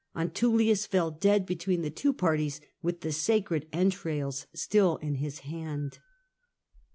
Antullius fell dead between the two parties, with the sacred entrails still in his hand.